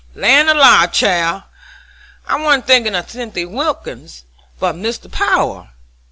"Land alive, child! I warn't thinking of Cynthy Wilkins, but Mr. Power.